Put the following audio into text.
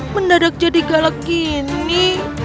mendadak jadi galak begini